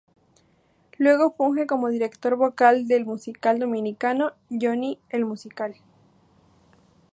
Luego funge como Director Vocal del musical dominicano: Johnny, el musical.